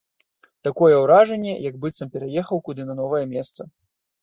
Такое ўражанне, як быццам пераехаў куды на новае месца.